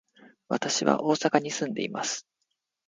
私は大阪に住んでいます。